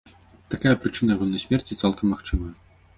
Такая прычына ягонай смерці цалкам магчымая.